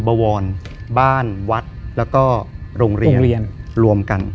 บวรบ้านวัดแล้วก็โรงเรียนรวมกัน